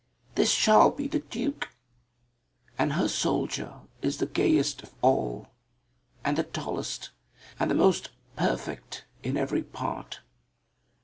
This shall be the Duke!" and her soldier is the gayest of all, and the tallest, and the most perfect in every part.